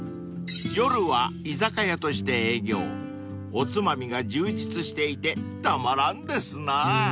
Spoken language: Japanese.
［おつまみが充実していてたまらんですな］